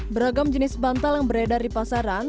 beragam jenis bantal yang beredar di pasaran